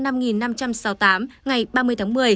ngày ba mươi tháng một mươi